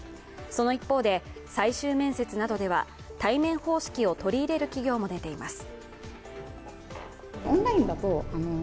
その一方で、最終面接などでは対面方式を取り入れる企業も出ています。